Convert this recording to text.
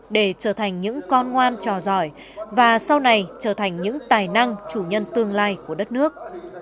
để trở thành những con ngoan trò giỏi và sau này trở thành những tài năng chủ nhân tương lai của đất nước